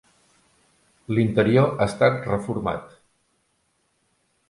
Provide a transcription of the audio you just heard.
L'interior ha estat reformat.